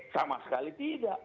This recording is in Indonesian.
sama sekali tidak